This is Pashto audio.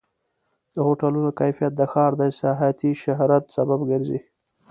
د هوټلونو کیفیت د ښار د سیاحتي شهرت سبب ګرځي.